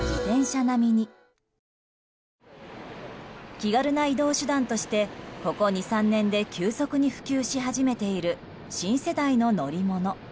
気軽な移動手段としてここ２３年で急速に普及し始めている新世代の乗り物。